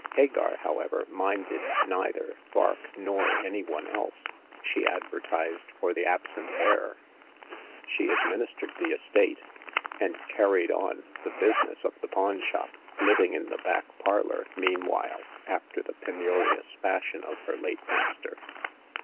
Hagar, however, minded neither Vark nor any one else. She advertised for the absent heir, she administered the estate, and carried on the business of the pawn shop ; living in the back parlor meanwhile, after the penurious fashion of her late master.